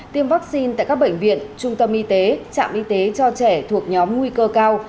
tiêm vaccine tại các bệnh viện trung tâm y tế trạm y tế cho trẻ thuộc nhóm nguy cơ cao